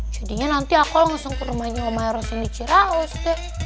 jadinya nanti aku langsung ke rumahnya om ayros yang diceraus deh